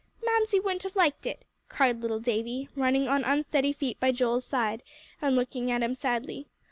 "Mamsie wouldn't have liked it," cried little Davie, running on unsteady feet by Joel's side, and looking at him sadly.